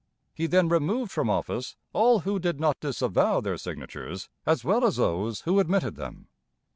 He then removed from office all who did not disavow their signatures as well as those who admitted them.